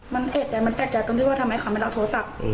มันเอกใจมันแปลกใจตรงที่ว่าทำไมเขาไม่รับโทรศัพท์